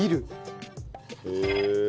へえ。